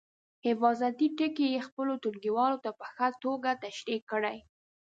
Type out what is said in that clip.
حفاظتي ټکي یې خپلو ټولګیوالو ته په ښه توګه تشریح کړئ.